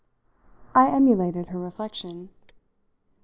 I emulated her reflection.